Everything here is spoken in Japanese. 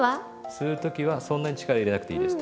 吸う時はそんなに力入れなくていいです。